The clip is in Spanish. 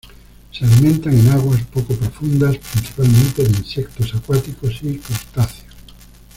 Se alimentan en aguas poco profundas, principalmente de insectos acuáticos y crustáceos.